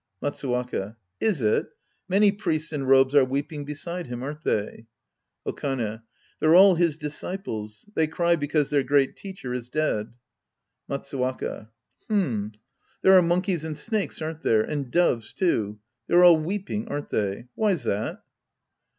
Matsuwaka. Is it? Many priests in robes are weeping beside him, aren't they ? Okane. They're all his disciples. They cry be cause their great teacher is dead. Matsuwaka. Him. There are monkeys and snakes, aren't there ? And doves, too. They're all weepang, aren't they ? Why's that